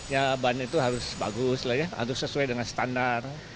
ya ban itu harus bagus lah ya harus sesuai dengan standar